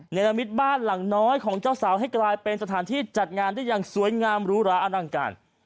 ละมิตบ้านหลังน้อยของเจ้าสาวให้กลายเป็นสถานที่จัดงานได้อย่างสวยงามหรูหราอนังการ